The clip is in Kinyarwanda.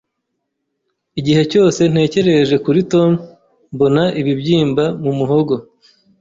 Igihe cyose ntekereje kuri Tom, mbona ibibyimba mu muhogo.